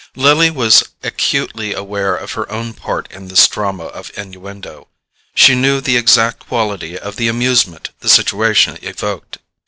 Lily was acutely aware of her own part in this drama of innuendo: she knew the exact quality of the amusement the situation evoked.